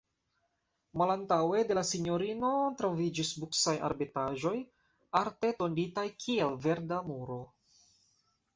Malantaŭe de la sinjorino troviĝis buksaj arbetaĵoj, arte tonditaj kiel verda muro.